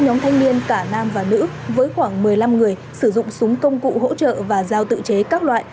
doanh nghiên cả nam và nữ với khoảng một mươi năm người sử dụng súng công cụ hỗ trợ và giao tự chế các loại